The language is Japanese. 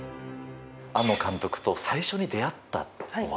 庵野監督と最初に出会ったのは。